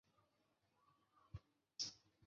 该物种的模式产地在海南岛。